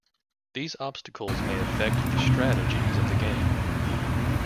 These obstacles may affect the strategies of the game.